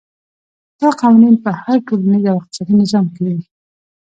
دا قوانین په هر ټولنیز او اقتصادي نظام کې وي.